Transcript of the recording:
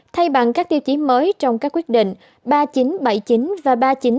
thay bằng các tiêu chí mới trong các quyết định ba nghìn chín trăm bảy mươi chín và ba nghìn chín trăm tám mươi chín